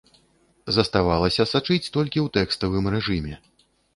Заставалася сачыць толькі ў тэкставым рэжыме.